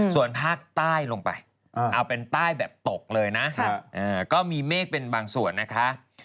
ส่วนภาคใต้ลงไปเอาเป็นใต้แบบตกเลยนะก็มีเมฆเป็นบางส่วนนะคะ